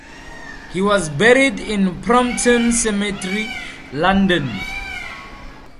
He was buried in Brompton Cemetery, London.